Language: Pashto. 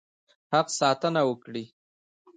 حق ساتنه وکړي.